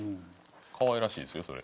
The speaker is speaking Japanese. かわいらしいですよそれ。